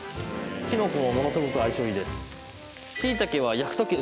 キノコもものすごく相性いいです。